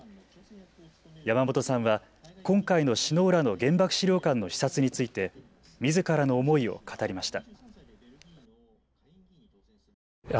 山本さんは今回の首脳らの原爆資料館の視察についてみずからの思いを語りました。